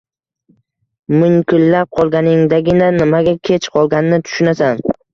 Munkillab qolganingdagina nimaga kech qolganingni tushunasan.